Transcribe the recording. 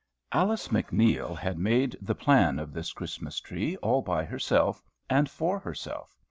Alice MacNeil had made the plan of this Christmas tree, all by herself and for herself.